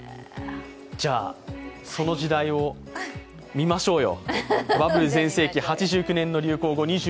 じゃあ、その時代を見ましょうよ。